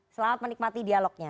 selamat menikmati dialognya